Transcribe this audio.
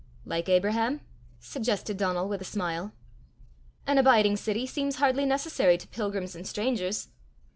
"Like Abraham?" suggested Donal with a smile. "An abiding city seems hardly necessary to pilgrims and strangers!